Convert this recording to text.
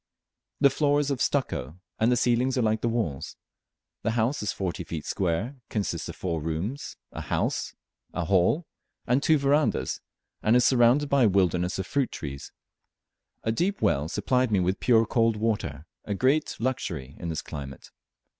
The floor is of stucco, and the ceilings are like the walls. The house is forty feet square, consists of four rooms, a hall, and two verandahs, and is surrounded by a wilderness of fruit trees. A deep well supplied me with pure cold water, a great luxury in this climate.